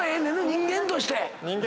⁉人間として。